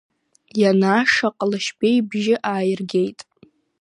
Ианааша, Ҟалашьбеи ибжьы ааиргеит…